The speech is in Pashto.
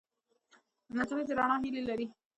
نجلۍ د رڼا هیلې لري.